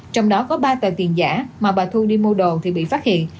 trong đó có ba tờ tiền giả mà bà thu đi mua đồ thì bị phát hiện